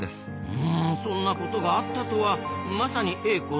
うんそんなことがあったとはまさに栄枯盛衰。